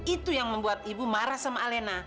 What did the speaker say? itu yang membuat ibu marah sama alena